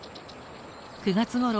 ９月ごろ